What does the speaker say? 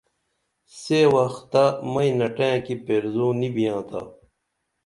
سے وخ تہ مئی نٹئیں کی پیرزو نی بیاں تا